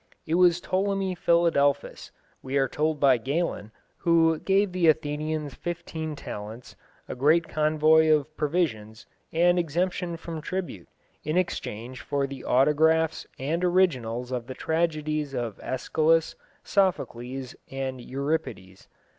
It was Ptolemy Philadelphus, we are told by Galen, who gave the Athenians fifteen talents, a great convoy of provisions, and exemption from tribute, in exchange for the autographs and originals of the tragedies of Æschylus, Sophocles, and Euripides.